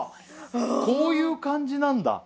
こういう感じなんだ